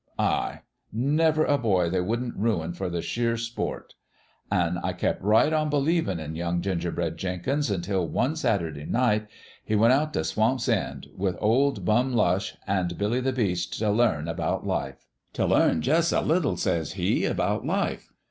Ay ; never a boy they wouldn't ruin for the sheer sport ! An' I kep' right on believin' in young Gingerbread Jenkins, until, one Saturday night, he went out t' Swamp's End, with oF Bum Lush an' Billy the Beast, t' learn about life. " 4 T learn jus' a little,' says he, ' about life.